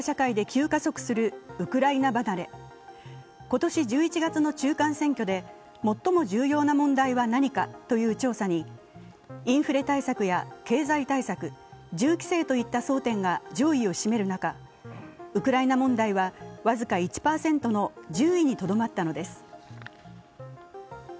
今年１１月の中間選挙で最も重要な問題は何かという調査にインフレ対策や経済対策、銃規制といった争点が上位を占める中ウクライナ問題は僅か１％の１０位にとどまったのです。